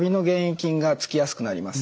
菌がつきやすくなります。